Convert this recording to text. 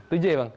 tujuh ya bang